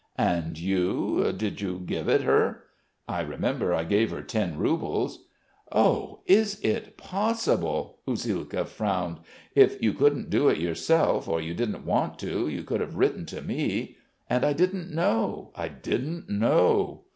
"And you ... did you give it her?" "I remember I gave her ten roubles." "Oh ... is it possible?" Usielkov frowned. "If you couldn't do it yourself, or you didn't want to, you could have written to me.... And I didn't know ... I didn't know."